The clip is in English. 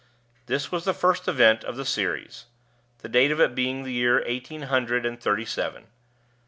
This was the first event of the series; the date of it being the year eighteen hundred and thirty seven.